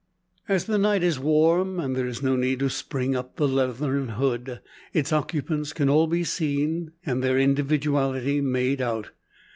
As the night is warm, and there is no need to spring up the leathern hood its occupants can all be seen, and their individuality made out.